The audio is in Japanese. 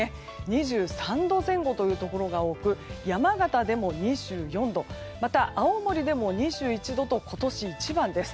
２３度前後というところが多く山形でも２４度また、青森でも２１度と今年一番です。